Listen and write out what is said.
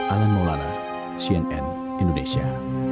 alan maulana cnn indonesia